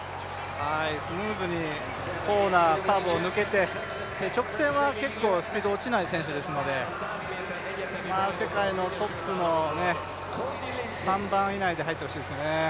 スムーズにコーナー、カーブを抜けて、直線は結構スピード落ちない選手ですので、世界のトップの３番以内で入ってほしいですね。